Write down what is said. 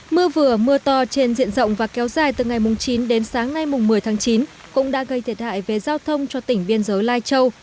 mưa vừa mưa to trên diện rộng và kéo dài từ ngày chín đến sáng ngày một mươi tháng chín cũng đã gây thiệt hại về giao thông cho tỉnh biên giới lai châu